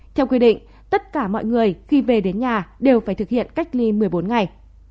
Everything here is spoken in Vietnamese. theo quy định tất cả mọi người khi về đến nhà đều phải thực hiện cách ly một mươi bốn ngày